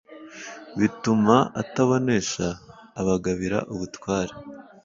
bituma abatonesha, abagabira ubutware.